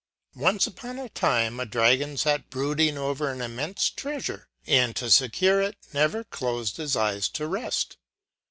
ONcE on a time, a Dragon fat brooding over an immenfe treafure, and to fecure it, never clofed his eyes to reft.